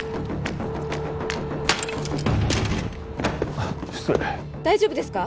あっ失礼大丈夫ですか？